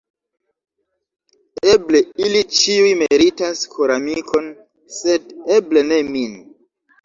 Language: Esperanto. Eble ili ĉiuj meritas koramikon, sed eble ne min.